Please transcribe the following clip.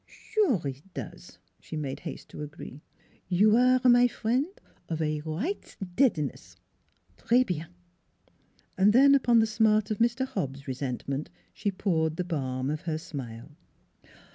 " Sure it does," she made haste to agree, "you aire, my frien', of a right deadness; tres bien!" 274 NEIGHBORS Then upon the smart of Mr. Hobbs' resent ment she poured the balm of her smile.